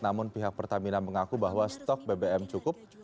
namun pihak pertamina mengaku bahwa stok bbm cukup